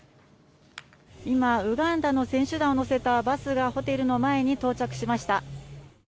「今、ウガンダの選手団を乗せたバスがホテルの前に到着しました」